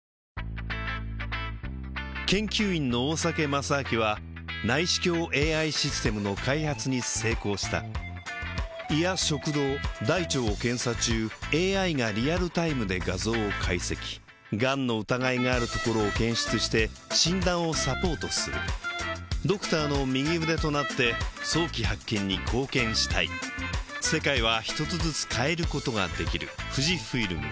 研究員の大酒正明は内視鏡ＡＩシステムの開発に成功した胃や食道大腸を検査中ＡＩがリアルタイムで画像を解析がんの疑いがあるところを検出して診断をサポートするドクターの右腕となって早期発見に貢献したい蛙亭。